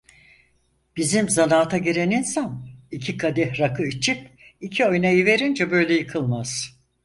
Bizim zanaata giren insan iki kadeh rakı içip iki oynayıverince böyle yıkılmaz!